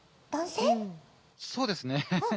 そうですね。